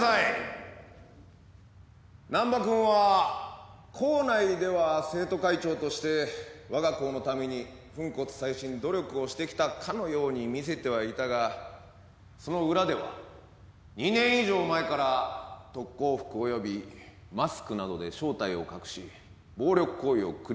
難破君は校内では生徒会長としてわが校のために粉骨砕身努力をしてきたかのように見せてはいたがその裏では２年以上前から特攻服およびマスクなどで正体を隠し暴力行為を繰り返してきたとみられる。